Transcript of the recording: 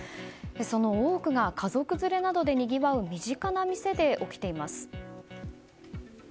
その多くが家族連れなどでにぎわう身近な店で起きています。